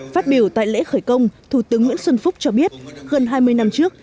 phát biểu tại lễ khởi công thủ tướng nguyễn xuân phúc cho biết gần hai mươi năm trước